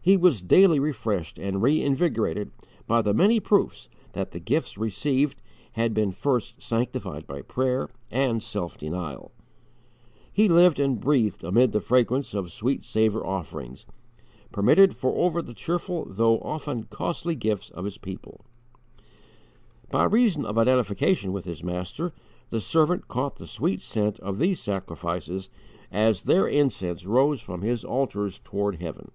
He was daily refreshed and reinvigorated by the many proofs that the gifts received had been first sanctified by prayer and self denial. He lived and breathed amid the fragrance of sweet savour offerings, permitted for more than threescore years to participate in the joy of the Lord Himself over the cheerful though often costly gifts of His people. By reason of identification with his Master, the servant caught the sweet scent of these sacrifices as their incense rose from His altars toward heaven.